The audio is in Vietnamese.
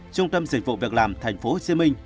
trung tâm dịch vụ việc làm tp hcm